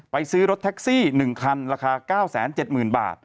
ซื้อรถแท็กซี่๑คันราคา๙๗๐๐๐บาท